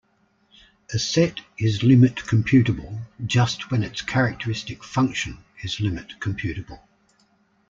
A set is limit computable just when its characteristic function is limit computable.